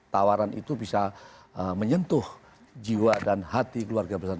tawaran itu bisa menyentuh jiwa dan hati keluarga besar